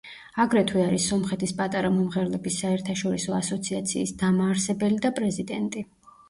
აგრეთვე არის სომხეთის პატარა მომღერლების საერთაშორისო ასოციაციის დამაარსებელი და პრეზიდენტი.